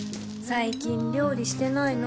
最近料理してないの？